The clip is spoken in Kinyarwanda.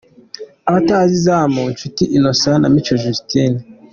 Abataha izamu: Nshuti Innnocent na Mico Justin.